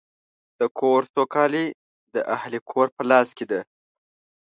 د کور سوکالي د اهلِ کور په لاس کې ده.